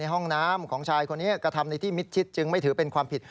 ห้องน้ำของชายคนนี้กระทำในที่มิดชิดจึงไม่ถือเป็นความผิด